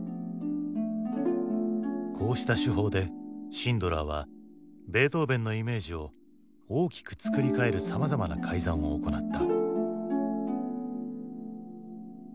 こうした手法でシンドラーはベートーヴェンのイメージを大きく作り変えるさまざまな改ざんを行った。